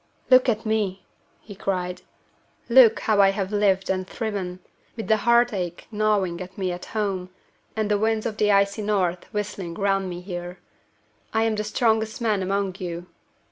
"Look at me!" he cried. "Look how I have lived and thriven, with the heart ache gnawing at me at home, and the winds of the icy north whistling round me here! I am the strongest man among you.